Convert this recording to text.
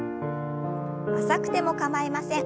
浅くても構いません。